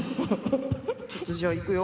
ちょっとじゃあいくよ。